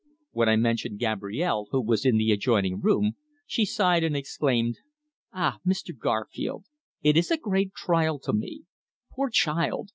When I mentioned Gabrielle, who was in the adjoining room, she sighed and exclaimed: "Ah! Mr. Garfield. It is a great trial to me. Poor child!